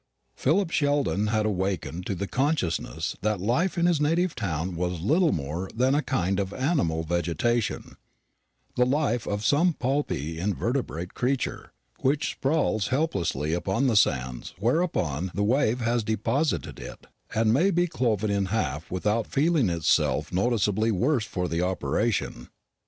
Philip Sheldon had awakened to the consciousness that life in his native town was little more than a kind of animal vegetation the life of some pulpy invertebrate creature, which sprawls helplessly upon the sands whereon the wave has deposited it, and may be cloven in half without feeling itself noticeably worse for the operation.